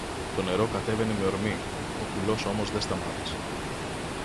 Το νερό κατέβαινε με ορμή, ο κουλός όμως δε σταμάτησε.